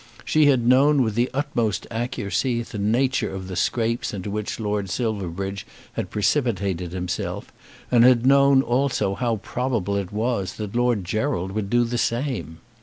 She had known with the utmost accuracy the nature of the scrapes into which Lord Silverbridge had precipitated himself, and had known also how probable it was that Lord Gerald would do the same.